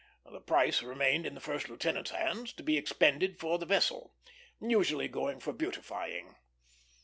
The price remained in the first lieutenant's hands, to be expended for the vessel; usually going for beautifying.